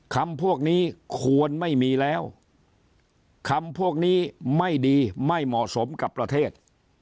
พวกนี้ควรไม่มีแล้วคำพวกนี้ไม่ดีไม่เหมาะสมกับประเทศ